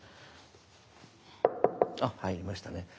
あ入りましたね。